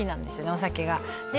お酒がで